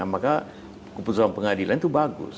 maka keputusan pengadilan itu bagus